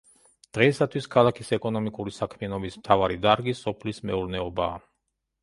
დღეისათვის, ქალაქის ეკონომიკური საქმიანობის მთავარი დარგი სოფლის მეურნეობაა.